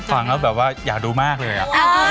ฟังแล้วแบบว่าอยากดูมากเลย